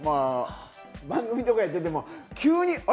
番組とか行ってても急にあれ？